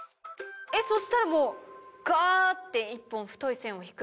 そうしたらもうガって１本太い線を引く。